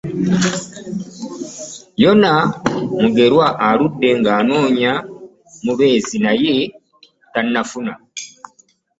Yona Mugerwa aludde ng'anoonya mubeezi naye tannafuna.